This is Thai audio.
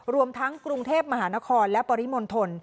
รวมทั้งกรุงเทพมหานครและปริมณฑล